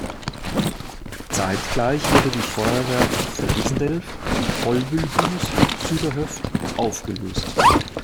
Zeitgleich wurde die Feuerwehr Fresendelf-Hollbüllhuus-Süderhöft aufgelöst.